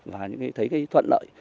và thấy thuận lợi